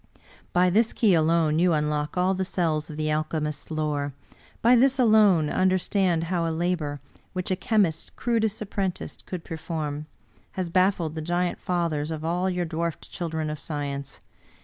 By this key alone you unlock all the cells of the alchemist's lore; by this alone understand how a labor, which a chemist's crudest apprentice could perform, has bafHed the giant fathers of all your dwarfed children of science.